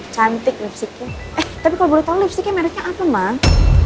cantik lipsticknya eh tapi kalau baru tau lipsticknya mereknya apa mah